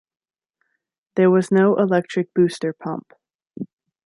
There was no electric booster pump.